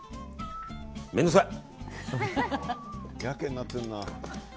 面倒くさい！